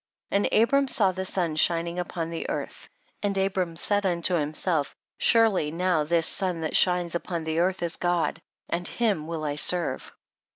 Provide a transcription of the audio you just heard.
13. And Abram saw the sun shining upon the earth, and Abram said unto himself surely now this sun that shines upon the earth is God, and him will I serve.